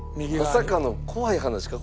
まさかの怖い話か？